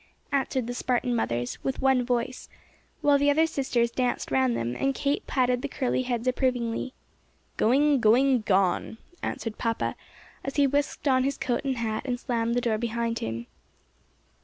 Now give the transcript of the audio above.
answered the Spartan mothers with one voice, while the other sisters danced round them, and Kate patted the curly heads approvingly. "Going, going, gone!" answered papa as he whisked on his coat and hat, and slammed the door behind him.